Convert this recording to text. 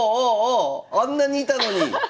あんなにいたのに！